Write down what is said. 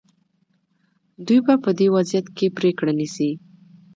دوی به په دې وضعیت کې پرېکړه نیسي.